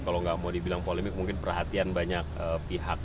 kalau nggak mau dibilang polemik mungkin perhatian banyak pihak